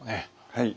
はい。